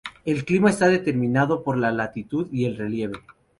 El clima está determinado por la latitud y el relieve.